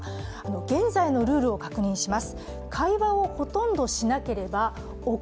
現在のルールを確認します。